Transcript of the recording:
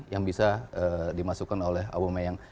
yang bisa dimasukkan oleh aubameyang